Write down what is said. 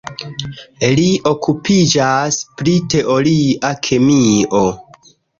Li okupiĝas pri teoria kemio.